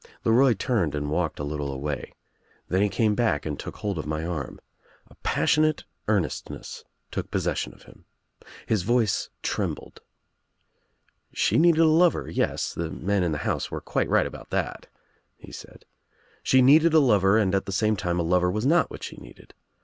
LeRoy turned and walked a little away. Then he came back and took hold of my arm. A passionate earnestness took possession of him. His voice I trembled. "She needed a. lover, yes, the men in the house were quite right about that," he said. "She needed a lover and at the same time a lover was not what she needed.